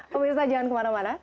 komunisasi jangan kemana mana